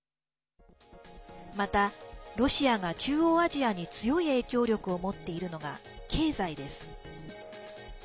また、ロシアが中央アジアに強い影響力を持っているのが経済です。